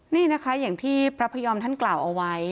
นี่นะคะอย่างที่พระพยอมท่านกล่าวเอาไว้